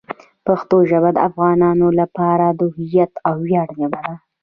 پښتو ژبه د افغانانو لپاره د هویت او ویاړ ژبه ده.